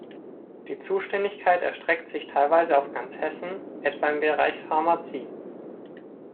Die Zuständigkeit erstreckt sich teilweise auf ganz Hessen, etwa im Bereich Pharmazie.